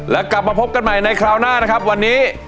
แล้วกลับมาพบกันใหม่ในคราวหน้านะครับวันนี้